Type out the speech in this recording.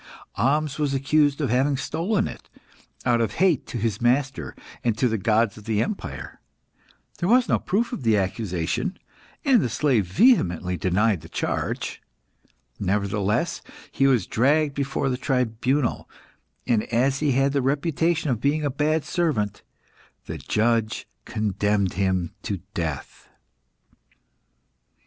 Ahmes was accused of having stolen it out of hate to his master and to the gods of the empire. There was no proof of the accusation, and the slave vehemently denied the charge. Nevertheless, he was dragged before the tribunal, and as he had the reputation of being a bad servant, the judge condemned him to death.